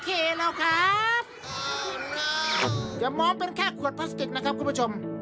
เดี๋ยวไม่มองเป็นพลัสติทแหละครับ